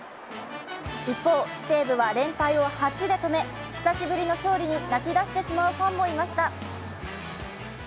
一方、西武は連敗を８で止め久しぶりの勝利に泣き出してしまうファンもいました。